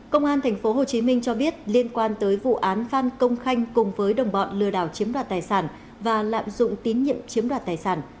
công an tp hcm cho biết liên quan tới vụ án phan công khanh cùng với đồng bọn lừa đảo chiếm đoạt tài sản và lạm dụng tín nhiệm chiếm đoạt tài sản